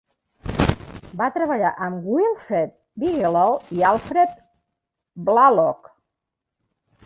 Va treballar amb Wilfred Bigelow i Alfred Blalock.